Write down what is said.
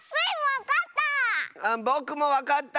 ぼくもわかった！